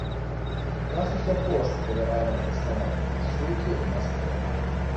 У нас есць ахова, што правярае нас дасканальна, сумкі ў нас правярае.